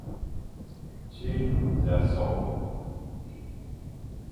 Tsvr sa soghbe.